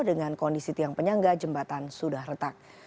dengan kondisi tiang penyangga jembatan sudah retak